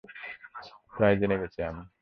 প্রায় জেনে গেছি আমি।